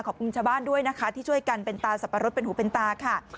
ขอบคุณชาวบ้านด้วยนะคะที่ช่วยกันเป็นตาสับปะรดเป็นหูเป็นตาค่ะ